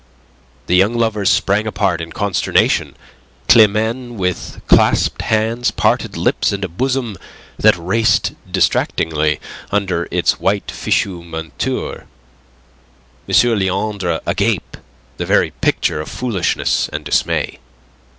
The young lovers sprang apart in consternation; Climene with clasped hands, parted lips, and a bosom that raced distractingly under its white fichu menteur; M. Leandre agape, the very picture of foolishness and dismay.